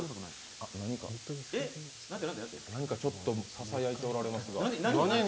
何かささやいておられますが。